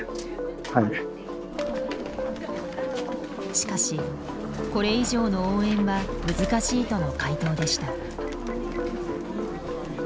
しかしこれ以上の応援は難しいとの回答でした。